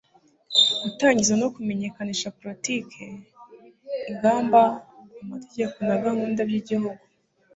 gutangiza no kumenyekanisha politiki, ingamba, amategeko na gahunda by'igihugu